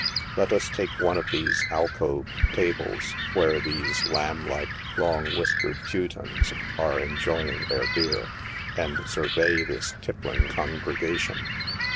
Let U3 take one of these alcoved tables where these lamb like, long whiskered Teutons are enjoying their beer, and sur vey this tippling congregation.